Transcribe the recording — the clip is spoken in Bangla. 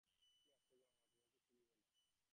কী আশ্চর্য মামা, তোমাকে চিনিব না!